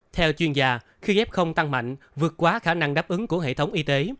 theo chuyên gia khi f tăng mạnh vượt quá khả năng đáp ứng của hệ thống y tế